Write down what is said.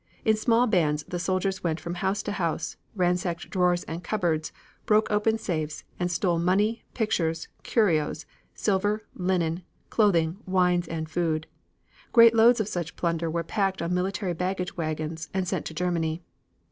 In small bands the soldiers went from house to house, ransacked drawers and cupboards, broke open safes, and stole money, pictures, curios, silver, linen, clothing, wines, and food. Great loads of such plunder were packed on military baggage wagons and sent to Germany.